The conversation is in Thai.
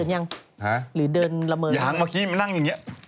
มาวันนี้เล่ามาสิมาไม่